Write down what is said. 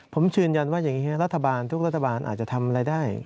ผมยืนยันว่าอย่างนี้รัฐบาลทุกรัฐบาลอาจจะทำอะไรได้